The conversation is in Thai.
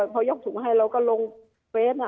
พอยกถุงให้เราก็ลงเฟส